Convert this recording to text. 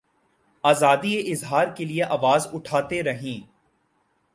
آزادیٔ اظہار کیلئے آواز اٹھاتے رہے۔